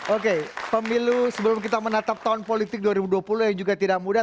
oke pemilu sebelum kita menatap tahun politik dua ribu dua puluh yang juga tidak mudah